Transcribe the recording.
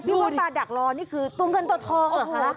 มดมาดักรอนี่คือตัวเงินตัวทองเหรอคะ